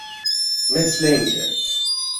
مثل اینکه